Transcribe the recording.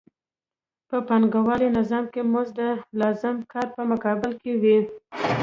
په پانګوالي نظام کې مزد د لازم کار په مقابل کې وي